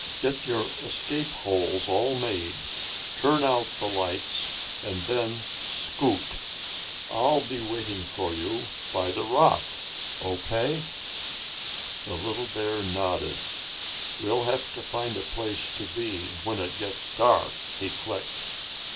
Get your escape holes all made, turn out the lights, and then scoot! I'll be waiting for you by the rock. O.K.?" The little bear nodded. "We'll have to find a place to be when it gets dark," he clicked.